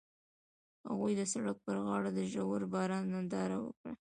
هغوی د سړک پر غاړه د ژور باران ننداره وکړه.